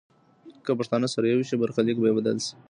که پښتانه سره یو شي، برخلیک به یې بدل شي.